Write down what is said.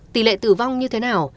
tỷ lệ tử vong như thế nào